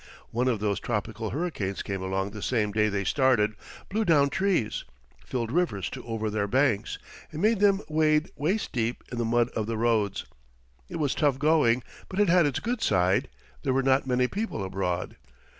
One of those tropical hurricanes came along the same day they started, blew down trees, filled rivers to over their banks, and made them wade waist deep in the mud of the roads. It was tough going, but it had its good side there were not many people abroad.